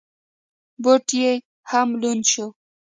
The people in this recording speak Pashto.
بوټ یې هم لوند شو.